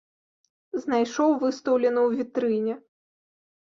Знайшоў выстаўлены ў вітрыне.